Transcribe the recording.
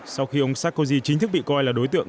sau khi ông sarkozy chính thức bị coi là đối tượng